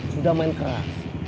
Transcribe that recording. sudah main keras